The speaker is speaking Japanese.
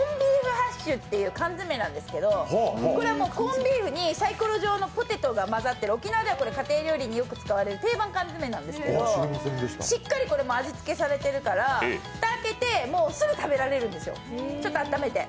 ハッシュという缶詰なんですけど、コンビーフにさいころ状のポテトが混ざってる沖縄では家庭料理によく使われる定番料理なんですけどしっかり味付けされてるから蓋開けてすぐ食べられるんですよ、ちょっと温めて。